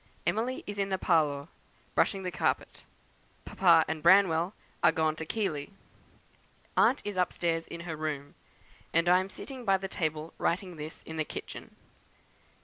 Emily is in the parlour, brushing the carpet. Papa and Branwell are gone to Keighley. Aunt is upstairs in her room, and I am sitting by the table writing this in the kitchen.